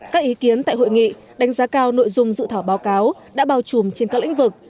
các ý kiến tại hội nghị đánh giá cao nội dung dự thảo báo cáo đã bao trùm trên các lĩnh vực